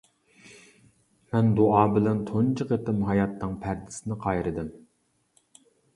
مەن دۇئا بىلەن تۇنجى قېتىم ھاياتنىڭ پەردىسىنى قايرىدىم.